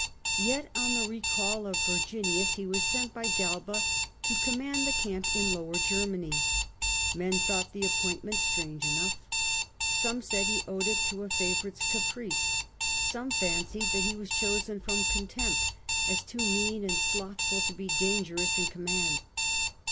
Yet on the recall of Verginius he was sent by s^ntby Galba to command the camp in lower Galba to _ n ,r 1 ^ 1 . command Germany. Men thought the appointment the army on strange enough. Some said he owed It to Rhine, a favourite's caprice ; some fancied that he was chosen from contempt, as too mean and slothful to be dangerous in command.